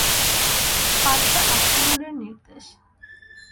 পাল্টা আক্রমণের নির্দেশ।